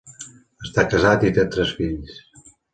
Està casat i té tres fills.